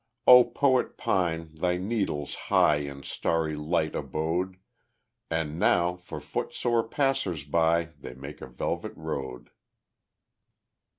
O poet pine, thy needles high In starry light abode, And now for footsore passers by They make a velvet road.